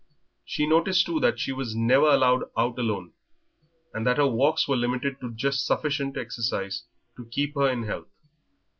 She noticed, too, that she never was allowed out alone, and that her walks were limited to just sufficient exercise to keep her in health.